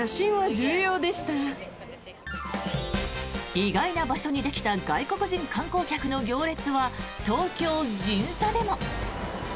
意外な場所にできた外国人観光客の行列は東京・銀座でも。